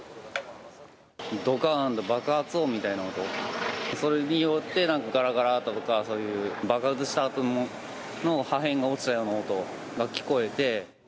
どかーんと、爆発音みたいな音、それによってなんかがらがらとか、そういう爆発したあとの破片が落ちたような音が聞こえて。